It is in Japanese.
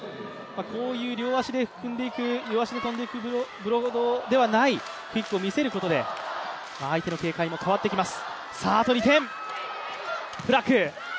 こういう両足で跳んでいくブロードではないクイックを見せることで相手の警戒も変わってきます。